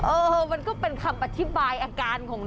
เออมันก็เป็นคำอธิบายอาการของ